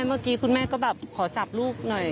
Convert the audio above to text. เมื่อกี้คุณแม่ก็แบบขอจับลูกหน่อย